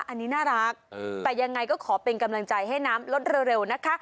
อันนี้น่ารักแต่ยังไงก็ขอเป็นกำลังใจให้น้ำลดเร็วนะคะ